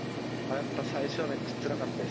やっぱ最初はめっちゃつらかったです。